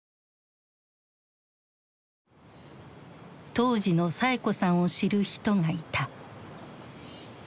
当時のサエ子さんを知る人がいた。